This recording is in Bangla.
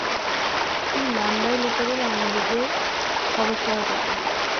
তিনি নান্দাইল উপজেলা আওয়ামী লীগের সাবেক সভাপতি।